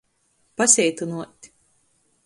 Paseitynuot.